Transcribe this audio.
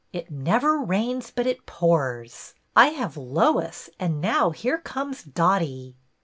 '' It never rains but it pours. I have Lois and now here comes Dotty."